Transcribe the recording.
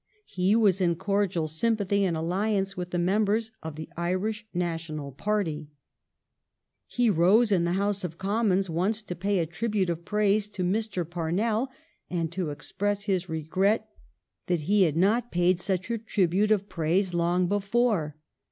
He was in cordial sympathy and alliance with the members of the Irish National party. He rose in the House of Commons once to pay a tribute of praise to Mr. Parnell and to express his regret that he had not paid such a tribute of praise long before.